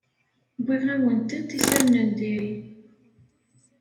Wwiɣ-awent-d isalan n diri.